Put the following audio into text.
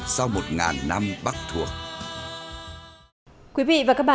sau một năm bắc thuộc